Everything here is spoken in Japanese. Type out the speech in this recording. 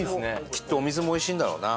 きっとお水もおいしいんだろうな。